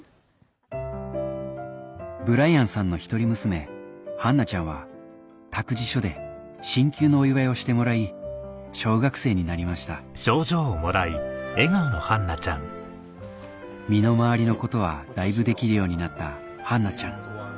ブライアンさんの一人娘ハンナちゃんは託児所で進級のお祝いをしてもらい小学生になりました身の回りのことはだいぶできるようになったハンナちゃん